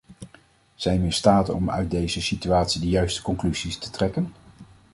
Zijn we in staat om uit deze situatie de juiste conclusies te trekken?